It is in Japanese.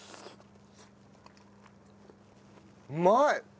うまい！